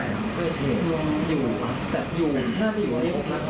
อยู่แต่อยู่น่าจะอยู่ไหน